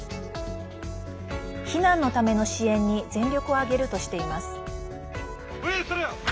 避難のための支援に全力を挙げるとしています。